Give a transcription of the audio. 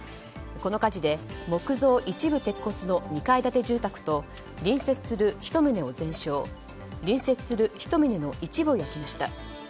この火事で木造一部鉄骨の２階建て住宅と隣接する１棟を全焼隣接する１棟の一部を焼きました。